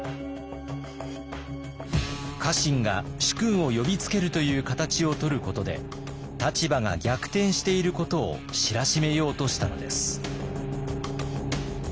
家臣が主君を呼びつけるという形をとることで立場が逆転していることを知らしめようとしたのです。